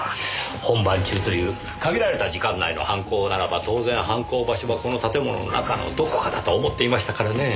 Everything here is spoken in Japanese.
本番中という限られた時間内の犯行ならば当然犯行場所はこの建物の中のどこかだとは思っていましたからねえ。